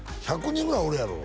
１００人ぐらいおるやろ？